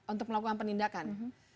untuk melakukan penindakan